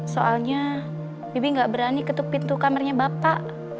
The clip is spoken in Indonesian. soalnya bibi nggak berani ketuk pintu kamarnya bapak